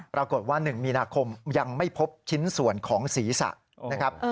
ปรากฏว่า๑มีนาคมยังไม่พบชิ้นส่วนของศีรษะนะครับ